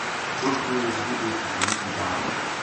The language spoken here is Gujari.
اس دینہ ایک بڈھی کی دھی کی بار تھی